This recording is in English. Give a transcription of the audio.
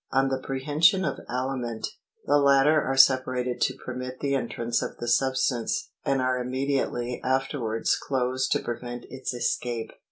On the prehension of aliment, the latter are separated to permit the entrance of the substance, and are immediately afterwards closed to prevent its escape.